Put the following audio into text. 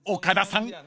［岡田さん